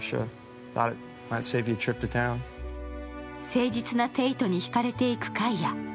誠実なテイトにひかれていくカイア。